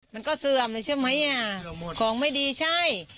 มันก็เสื่อมเลยใช่ไหมของไม่ดีใช่